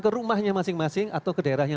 ke rumahnya masing masing atau ke daerahnya